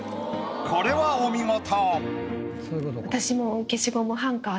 これはお見事！